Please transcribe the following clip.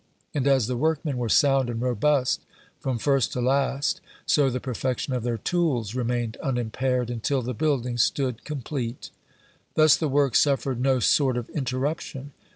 And as the workmen were sound and robust from first to last, so the perfection of their tools remained unimpaired until the building stood complete. Thus the work suffered no sort of interruption.